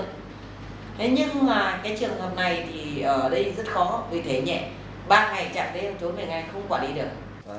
thế nhưng mà cái trường hợp này thì ở đây rất khó vì thế nhẹ ba ngày chẳng thấy một chỗ mềm ngay không quản lý được